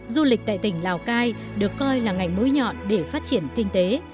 du lịch tại tỉnh lào cai được coi là ngành mũi nhọn để phát triển kinh tế